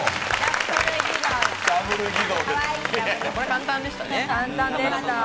簡単でした。